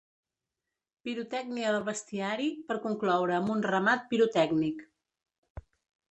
Pirotècnia del bestiari, per concloure amb un remat pirotècnic.